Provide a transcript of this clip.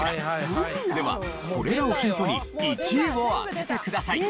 ではこれらをヒントに１位を当ててください。